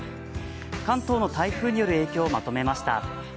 関東の台風による影響をまとめました。